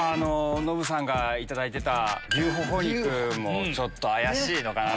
ノブさんがいただいてた牛ホホ肉もちょっと怪しいのかな